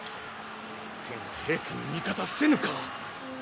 天は平家に味方せぬか。